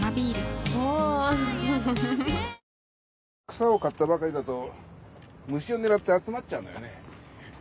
草を刈ったばかりだと虫を狙って集まっちゃうのよね。